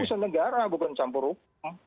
ini perusahaan negara bukan campur hukum